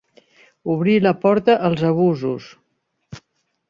Obrir la porta als abusos.